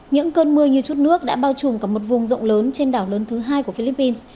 những cơn mưa như chút nước đã bao trùm cả một vùng rộng lớn trên đảo lớn thứ hai của philippines